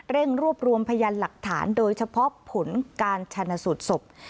รวบรวมพยานหลักฐานโดยเฉพาะผลการชนะสูตรศพ